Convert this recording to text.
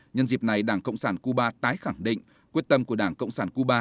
nhân dịp này đảng cộng sản cuba tái khẳng định quyết tâm của đảng cộng sản cuba